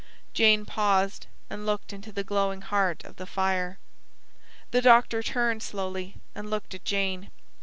Jane paused, and looked into the glowing heart of the fire. The doctor turned slowly and looked at Jane.